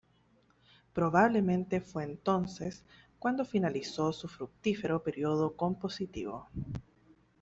Probablemente fue entonces cuando finalizó su fructífero periodo compositivo.